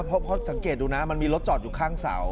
เพราะสังเกตดูนะมันมีรถจอดอยู่ข้างเสา